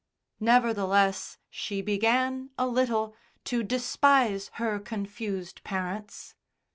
Nevertheless, she began, a little, to despise her confused parents.